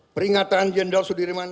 peringatan jendal sudirman